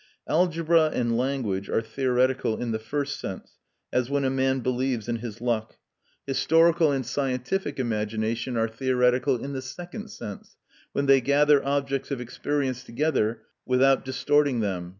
Algebra and language are theoretical in the first sense, as when a man believes in his luck; historical and scientific imagination are theoretical in the second sense, when they gather objects of experience together without distorting them.